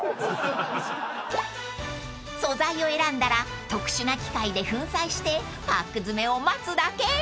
［素材を選んだら特殊な機械で粉砕してパック詰めを待つだけ］